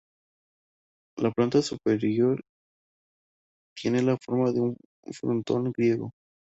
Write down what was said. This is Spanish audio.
La planta superior tiene la forma de un frontón griego.